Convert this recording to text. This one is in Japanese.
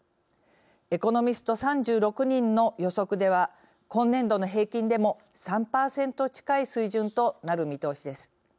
エコノミスト３６人の予測では今年度の平均でも３％近い水準となる見通しです。